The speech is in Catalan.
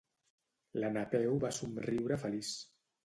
La Napeu va somriure feliç.